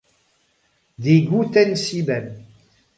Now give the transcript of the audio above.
Die gute Sieben